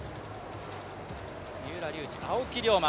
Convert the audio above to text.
三浦龍司、青木涼真